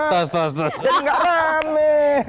jadi enggak rame